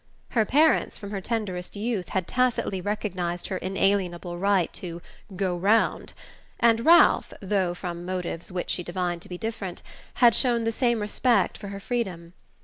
Her parents, from her tenderest youth, had tacitly recognized her inalienable right to "go round," and Ralph though from motives which she divined to be different had shown the same respect for her freedom.